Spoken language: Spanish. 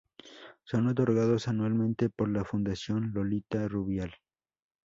Son otorgados anualmente por la Fundación Lolita Rubial.